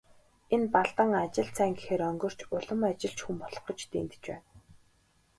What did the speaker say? Энэ Балдан ажилд сайн гэхээр онгирч, улам ажилч хүн болох гэж дэндэж байна.